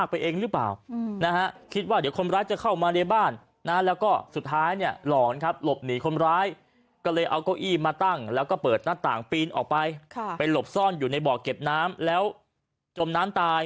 เป็นหลบซ่อนอยู่ในหมาวะเก็บน้ำแล้วจมน้ำตาย